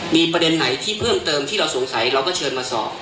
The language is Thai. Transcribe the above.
มีประเด็นไหนที่เพิ่มเติมที่เราสงสัยเราก็เชิญมาสอบ